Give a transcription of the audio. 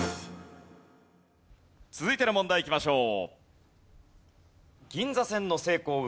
続いての問題いきましょう。